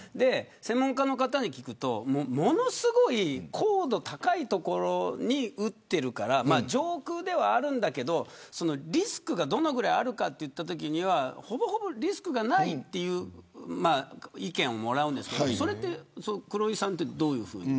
専門家の方に聞くとものすごい高度が高い所に撃っているから上空ではあるんだけどリスクが、どのぐらいあるかといったときにはほぼほぼ、リスクがないという意見をもらうんですけどそれって黒井さんは、どういうふうに。